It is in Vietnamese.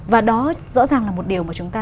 và đó rõ ràng là một điều mà chúng ta